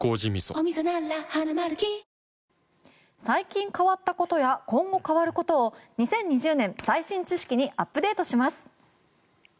最近変わったことや今後変わることを２０２２年最新知識にアップデートします！